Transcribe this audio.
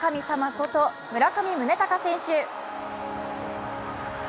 こと村上宗隆選手。